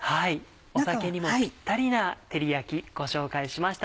酒にもピッタリな照り焼きご紹介しました。